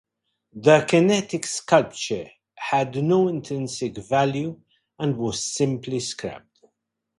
The kinetic sculpture had no intrinsic value and was simply scrapped.